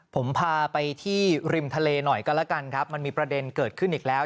ผมพาไปที่ริมทะเลหน่อยก็แล้วกันครับมันมีประเด็นเกิดขึ้นอีกแล้ว